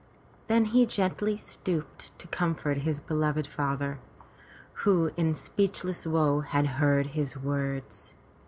Then he gently stooped to comfort his beloved father, who in speechless woe had heard his words.